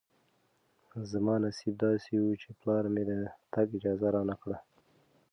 زما نصیب داسې و چې پلار مې د تګ اجازه رانه کړه.